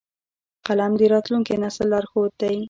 قلم د راتلونکي نسل لارښود دی